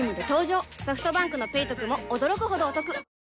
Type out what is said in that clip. ソフトバンクの「ペイトク」も驚くほどおトク